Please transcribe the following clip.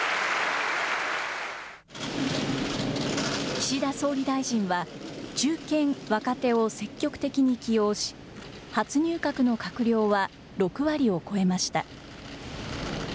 岸田総理大臣は、中堅・若手を積極的に起用し、初入閣の閣僚は６割を超えました。